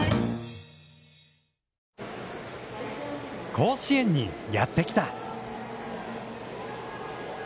甲子園に、やってきた。